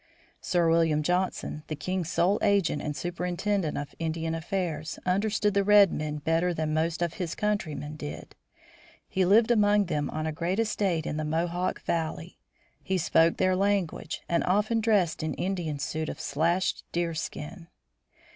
Sir William Johnson, the king's sole agent and superintendent of Indian affairs, understood the red men better than most of his countrymen did. He lived among them on a great estate in the Mohawk Valley. He spoke their language and often dressed in Indian suit of slashed deerskin.